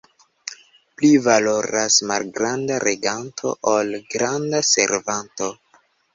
Pli valoras malgranda reganto, ol granda servanto.